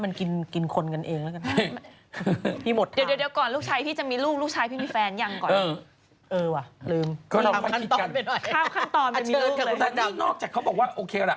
ตอนนี้นอกจากเขาบอกว่าโอเคล่ะ